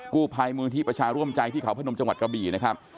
กู้ภัยมูลที่ประชาร่วมใจที่เขาพนมจังหวัดกะบี่นะครับ